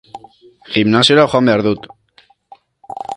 Gimnasiora joan behar dut.